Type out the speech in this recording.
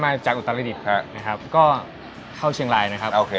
มาจากอุตรรฤษนะครับก็เข้าเชียงรายนะครับ